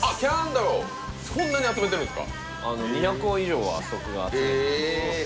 そんなに集めてるんすか？